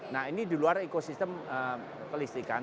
nah ini di luar ekosistem kelistikan